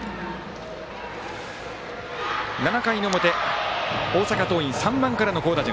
７回の表、大阪桐蔭３番からの好打順。